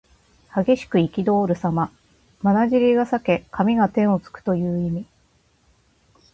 激しくいきどおるさま。まなじりが裂け髪が天をつくという意味。